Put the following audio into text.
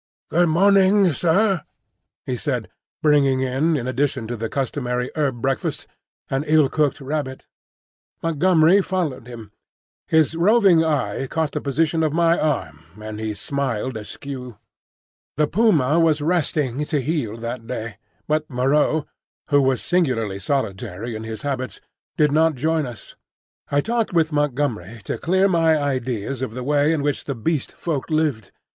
"Good morning, sair," he said, bringing in, in addition to the customary herb breakfast, an ill cooked rabbit. Montgomery followed him. His roving eye caught the position of my arm and he smiled askew. The puma was resting to heal that day; but Moreau, who was singularly solitary in his habits, did not join us. I talked with Montgomery to clear my ideas of the way in which the Beast Folk lived.